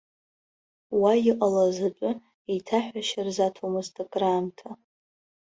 Уа иҟалаз атәы еиҭаҳәашьа рзаҭомызт акраамҭа.